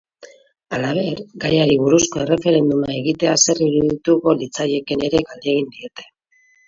Halaber, gaiari buruzko erreferenduma egitea zer irudituko litzaieken ere galdegin diete.